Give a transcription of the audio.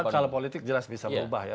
kalau calon politik jelas bisa berubah ya